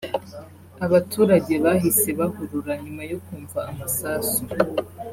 Abaturage bahise bahurura nyuma yo kumva amasasu